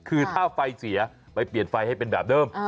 คือถ้าไฟเสียไปเปลี่ยนไฟให้เป็นแบบเดิม